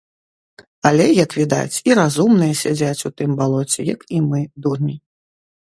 Але, як відаць, і разумныя сядзяць у тым балоце, як і мы, дурні!